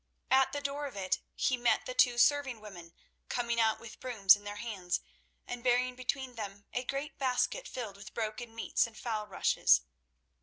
At the door of it he met the two serving women coming out with brooms in their hands, and bearing between them a great basket filled with broken meats and foul rushes.